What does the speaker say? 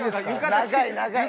長い長い。